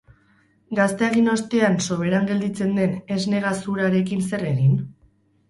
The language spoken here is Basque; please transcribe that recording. Gazta egin ostean, soberan gelditzen den esne gazurarekin zer egin?